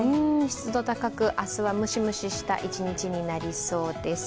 湿度高く、明日はムシムシとした一日となりそうです。